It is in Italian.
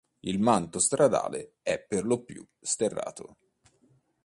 Il manto stradale è per lo più sterrato.